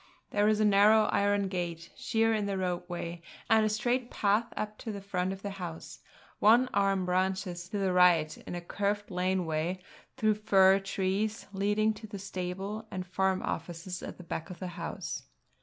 There is a narrow iron gate, sheer in the roadway, and a straight path up to the front of the house; one arm branches to the right in a curved lane way through fir trees leading to the stable and farm offices at the back of the house.